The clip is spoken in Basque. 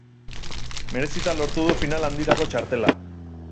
Merezita lortu du final handirako txartela.